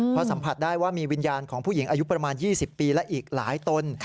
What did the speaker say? เพราะสัมผัสได้ว่ามีวิญญาณของผู้หญิงอายุประมาณ๒๐ปีและอีกหลายตน